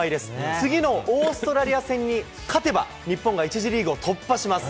次のオーストラリア戦に勝てば、日本が１次リーグを突破します。